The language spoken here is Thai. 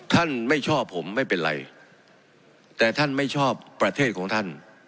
ไม่ชอบผมไม่เป็นไรแต่ท่านไม่ชอบประเทศของท่าน